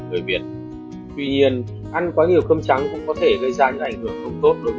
người việt tuy nhiên ăn quá nhiều cơm trắng cũng có thể gây ra những ảnh hưởng không tốt đối